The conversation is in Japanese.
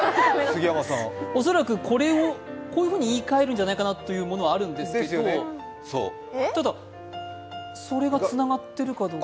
恐らくこういうふうに言い換えるんじゃないかというのはあるんですけれどもただ、それがつながっているかどうか。